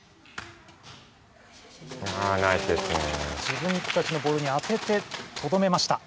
自分たちのボールにあててとどめました。